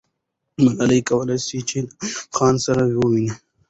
ملالۍ کولای سوای چې د ایوب خان سره وویني.